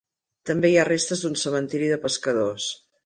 També hi ha restes d'un cementiri de pescadors.